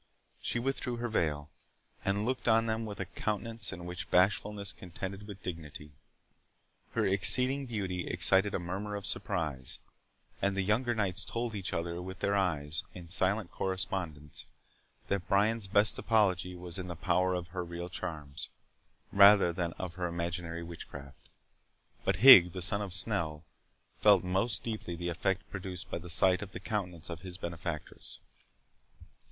She withdrew her veil, and looked on them with a countenance in which bashfulness contended with dignity. Her exceeding beauty excited a murmur of surprise, and the younger knights told each other with their eyes, in silent correspondence, that Brian's best apology was in the power of her real charms, rather than of her imaginary witchcraft. But Higg, the son of Snell, felt most deeply the effect produced by the sight of the countenance of his benefactress.